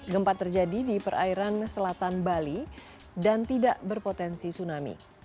gempa terjadi di perairan selatan bali dan tidak berpotensi tsunami